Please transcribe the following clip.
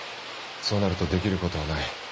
そうなるとできることはない。